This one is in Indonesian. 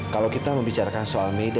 kalau kita membicarakan soal media